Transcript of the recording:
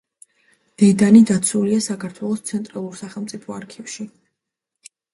დედანი დაცულია საქართველოს ცენტრალურ სახელმწიფო არქივში.